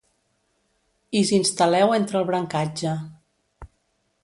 Is instal·leu entre el brancatge.